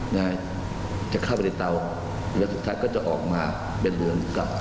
นะฮะจะเข้าไปในเตาแล้วสุดท้ายก็จะออกมาเป็นเดือนกลับ